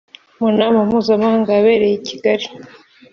mu nama mpuzamahanga yabereye I Kigali